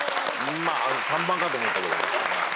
まあ３番かと思ったけど。